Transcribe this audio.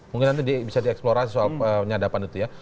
mungkin nanti bisa dieksplorasi soal penyadapan itu ya